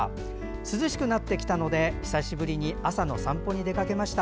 涼しくなってきたので久しぶりに朝の散歩に出かけました。